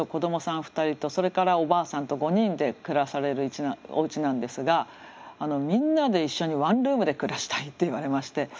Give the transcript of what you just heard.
２人とそれからおばあさんと５人で暮らされるおうちなんですがみんなで一緒にワンルームで暮らしたいって言われまして。